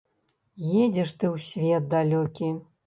Едзеш ты ў свет далёкі.